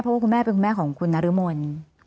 เพราะว่าคุณแม่เป็นคุณแม่ของคุณนรมน